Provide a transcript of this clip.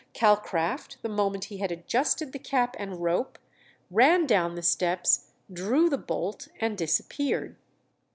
Calcraft, the moment he had adjusted the cap and rope, ran down the steps, drew the bolt, and disappeared.